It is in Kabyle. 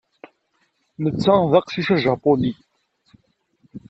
Netta d aqcic ajapuni.